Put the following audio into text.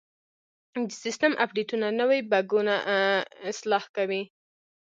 د سیسټم اپډیټونه نوي بګونه اصلاح کوي.